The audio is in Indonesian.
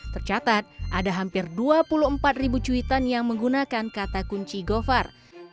tercatat ada hampir dua puluh empat ribu cuitan yang menggunakan kata kunci govar